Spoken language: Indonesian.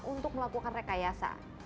untuk melakukan rekayasa